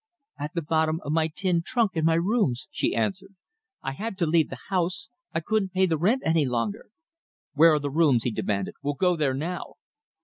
"At the bottom of my tin trunk in my rooms," she answered. "I had to leave the house. I couldn't pay the rent any longer." "Where are the rooms?" he demanded. "We'll go there now."